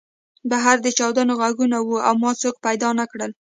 بهر د چاودنو غږونه وو او ما څوک پیدا نه کړل